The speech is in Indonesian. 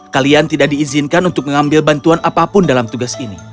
kalian tidak diizinkan untuk mengambil bantuan apapun dalam tugas ini